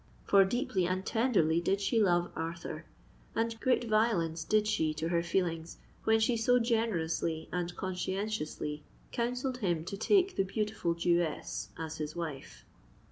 For deeply and tenderly did she love Arthur; and great violence did she to her feelings when she so generously and conscientiously counselled him to take the beautiful Jewess as his wife!